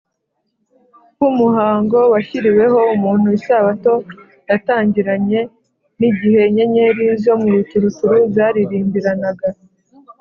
nk’umuhango washyiriweho umuntu, isabato yatangiranye n’ “igihe inyenyeri zo mu ruturuturu zaririmbiranaga